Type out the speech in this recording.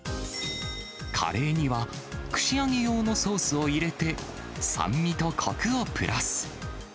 カレーには、串揚げ用のソースを入れて、酸味とこくをプラス。